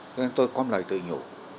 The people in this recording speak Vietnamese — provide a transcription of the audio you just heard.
cho nên tôi có một lời tự nhủ